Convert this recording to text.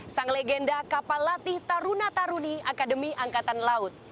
sang legenda kapal latih taruna taruni akademi angkatan laut